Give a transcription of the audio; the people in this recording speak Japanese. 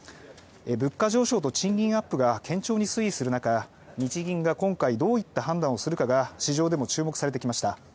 物価上昇と賃金アップが堅調に推移する中日銀が今回どういった判断をするかが市場でも注目されてきました。